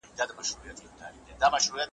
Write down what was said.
د لنډو کیسو څلور مجموعې یې چاپ ته وسپارلې `